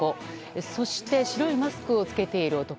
そして白いマスクを着けている男。